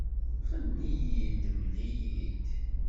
Ɣenni-yi-d, mel-iyi-d